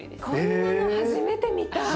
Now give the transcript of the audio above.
こんなの初めて見た。